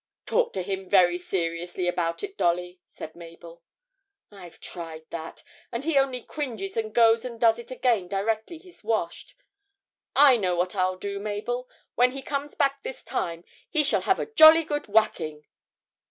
'Talk to him very seriously about it, Dolly,' said Mabel. 'I've tried that and he only cringes and goes and does it again directly he's washed. I know what I'll do, Mabel. When he comes back this time, he shall have a jolly good whacking!'